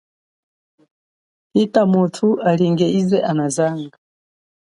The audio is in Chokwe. Hita muthu alinge ize anazanga.